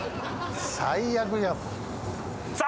最悪じゃんくさ！